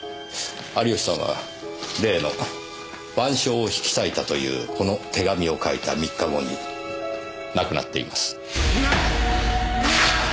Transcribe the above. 有吉さんは例の『晩鐘』を引き裂いたというこの手紙を書いた３日後に亡くなっています。